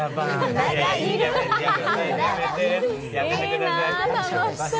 いいな、楽しそう。